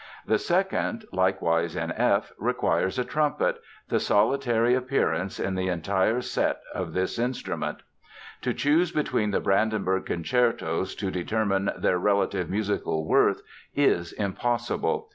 The second, likewise in F, requires a trumpet—the solitary appearance in the entire set of this instrument. To choose between the Brandenburg Concertos, to determine their relative musical worth is impossible.